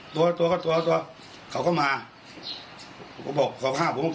ตัวตัวก็ตัวตัวเขาก็มาผมก็บอกเขาฆ่าผม